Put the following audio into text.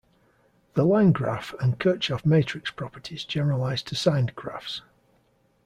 The line graph and Kirchhoff matrix properties generalize to signed graphs.